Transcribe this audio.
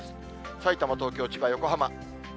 さいたま、東京、千葉、横浜。